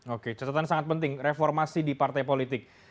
oke catatan sangat penting reformasi di partai politik